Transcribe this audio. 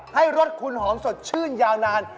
รสคุณหอมสดชื่นยาวนาน